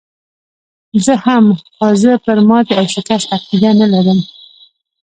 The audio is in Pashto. زه هم، خو زه پر ماتې او شکست عقیده نه لرم.